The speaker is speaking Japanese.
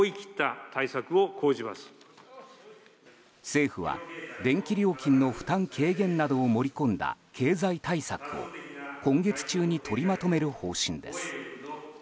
政府は、電気料金の負担軽減などを盛り込んだ経済対策を今月中に取りまとめる方針です。